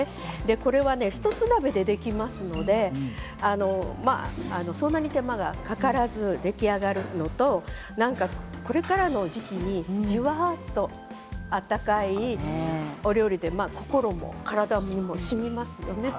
これは１つ鍋だけでできますのでそんなに手間がかからず出来上がるのとこれからの時期にじわっと温かいお料理で心も体もしみますね。